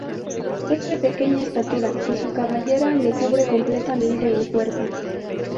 Es de pequeña estatura y su cabellera le cubre completamente el cuerpo.